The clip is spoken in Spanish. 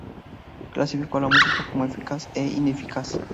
Clasificó a la música como eficaz e ineficaz.